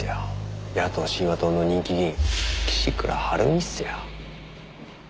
野党真和党の人気議員岸倉治美っすよ。